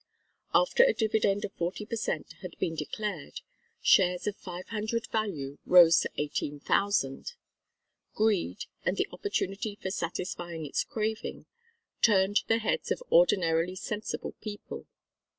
After a dividend of forty per cent. had been declared, shares of five hundred value rose to eighteen thousand. Greed, and the opportunity for satisfying its craving, turned the heads of ordinarily sensible people.